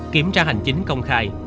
kiểm tra hành chính công khai